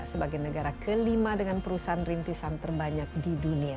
sebagai negara kelima dengan perusahaan rintisan terbanyak di dunia